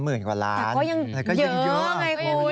แต่ก็ยังเยอะไงคุณ